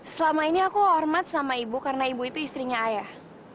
selama ini aku hormat sama ibu karena ibu itu istrinya ayah